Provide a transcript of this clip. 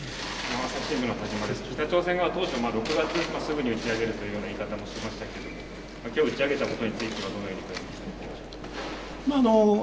北朝鮮側は当初、６月すぐに打ち上げるというような言い方をしていましたけれども、きょう打ち上げたことについては、どのように。